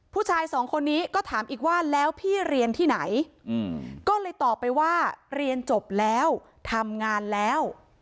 ผู้ชายสองคนนี้ก็ถามอีกว่าแล้วพี่เรียนที่ไหนก็เลยตอบไปว่าเรียนจบแล้วทำงานแล้ว